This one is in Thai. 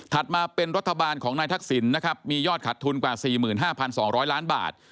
มาเป็นรัฐบาลของนายทักษิณนะครับมียอดขัดทุนกว่า๔๕๒๐๐ล้านบาท